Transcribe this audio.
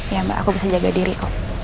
iya mbak aku bisa jaga diri kok